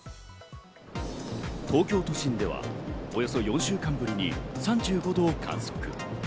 東京都心ではおよそ４週間ぶりに３５度を観測。